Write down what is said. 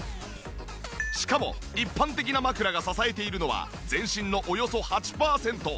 しかも一般的な枕が支えているのは全身のおよそ８パーセント。